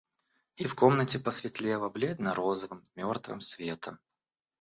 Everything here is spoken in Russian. И в комнате посветлело бледно-розовым мертвым светом.